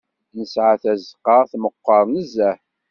Nesɛa tazeqqa tmeqqer nezzeh.